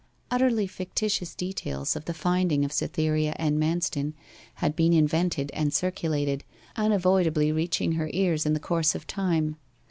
Utterly fictitious details of the finding of Cytherea and Manston had been invented and circulated, unavoidably reaching her ears in the course of time.